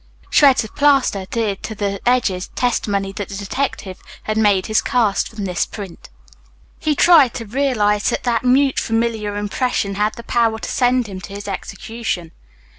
Shreds of plaster adhered to the edges, testimony that the detective had made his cast from this print. He tried to realize that that mute, familiar impression had the power to send him to his execution.